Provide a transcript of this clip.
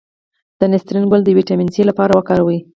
د نسترن ګل د ویټامین سي لپاره وکاروئ